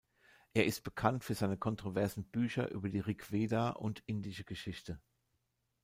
Er ist bekannt für seine kontroversen Bücher über die Rig Veda und indische Geschichte.